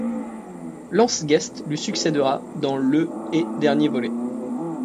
Lance Guest lui succédera dans le et dernier volet.